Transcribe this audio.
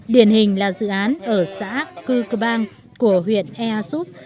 điển hình là dự án ở xã cư cơ bang của huyện ea súp